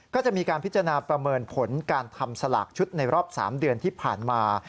ก็จะมีการพิจารณาประเมินผลการทำสลากชุดในรอบ๓เดือนที่ผ่านมา